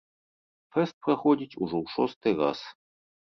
Фэст праходзіць ужо ў шосты раз.